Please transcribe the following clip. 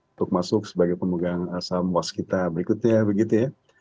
untuk masuk sebagai pemegang asam waskita berikutnya ya